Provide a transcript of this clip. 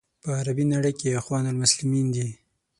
په عربي نړۍ کې اخوان المسلمین دي.